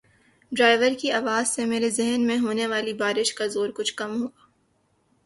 driver کی آواز سے میرے ذہن میں ہونے والی بار ش کا زور کچھ کم ہوا